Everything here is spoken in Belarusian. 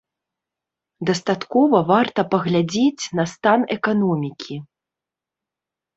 Дастаткова варта паглядзець на стан эканомікі.